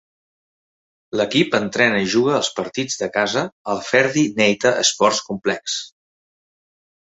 L'equip entrena i juga els partits de casa al Ferdi Neita Sports Complex.